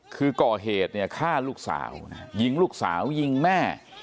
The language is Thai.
คือก่อเหตุเนี่ยฆ่าลูกสาวยิงลูกสาวยิงแม่